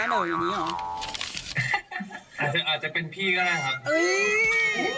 อาจจะเป็นพี่ก็ได้ครับ